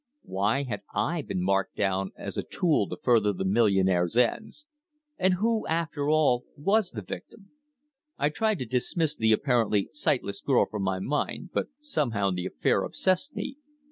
Why had I been marked down as a tool to further the millionaire's ends? And who, after all, was the victim? I tried to dismiss the apparently sightless girl from my mind, but somehow the affair obsessed me.